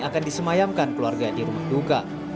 akan disemayamkan keluarga di rumah duka